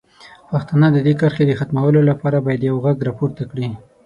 پښتانه د دې کرښې د ختمولو لپاره باید یو غږ راپورته کړي.